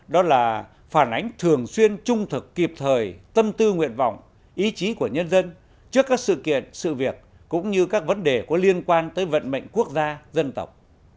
đó là phản ánh thường xuyên trung thực kịp thời tâm tư nguyện vọng ý chí của nhân dân trước các sự kiện sự việc cũng như các vấn đề có liên quan tới vận mệnh quốc gia dân tộc